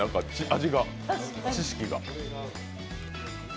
味が、知識が。